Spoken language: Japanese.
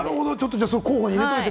じゃあ、候補に入れといて、